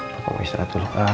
papa mau istirahat dulu